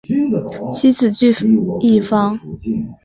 妻子琚逸芳。